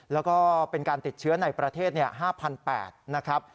แล้วก็เป็นการติดเชื้อในประเทศ๕๘๐๐นะครับ